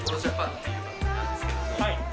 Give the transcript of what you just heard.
はい。